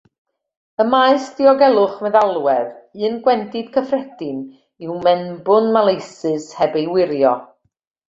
Ym maes diogelwch meddalwedd, un gwendid cyffredin yw mewnbwn maleisus heb ei wirio.